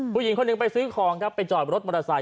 ผู้หญิงคนหนึ่งไปซื้อของครับไปจอดรถมอเตอร์ไซค